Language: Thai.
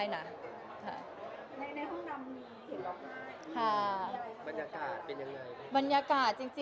ในห้องนำเห็นรอบง่ายบรรยากาศเป็นอย่างไร